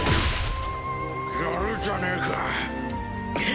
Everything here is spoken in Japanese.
やるじゃねえか。